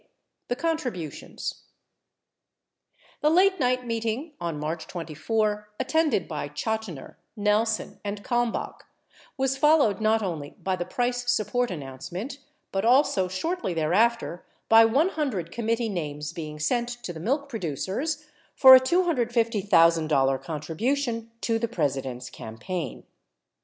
The Contributions The late night meeting on March 24 attended by Chotiner, Nelson, and Kalmbach was followed not only by the price support announce ment but also shortly thereafter by 100 committee names being sent to the milk producers for a $250,000 contribution to the President's campaign.